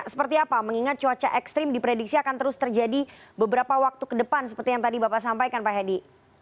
seperti apa mengingat cuaca ekstrim diprediksi akan terus terjadi beberapa waktu ke depan seperti yang tadi bapak sampaikan pak hedi